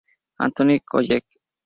Antony’s College.